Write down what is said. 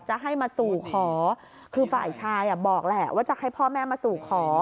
จะให้มาสู่ขอคือฝ่ายชายบอกแหละว่าจะให้พ่อแม่มาสู่ขอ